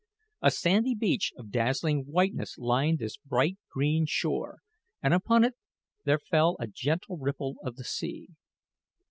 A sandy beach of dazzling whiteness lined this bright green shore, and upon it there fell a gentle ripple of the sea.